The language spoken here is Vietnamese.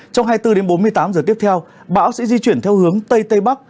trong hai mươi bốn đến bốn mươi tám giờ tiếp theo bão sẽ di chuyển theo hướng tây tây bắc